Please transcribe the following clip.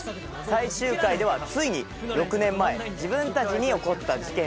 最終回ではついに６年前自分たちに起こった事件を解き明かします。